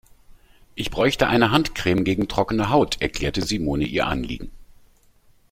Ich bräuchte eine Handcreme gegen trockene Haut, erklärte Simone ihr Anliegen.